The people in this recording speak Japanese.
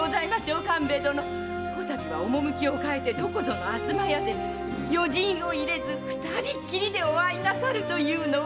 此度は趣を変えてどこぞの東屋で余人を入れず二人きりでお会いなさるというのは。